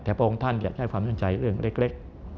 แต่พวกคุณท่านก็จะให้ความสนใจเรื่องเล็ก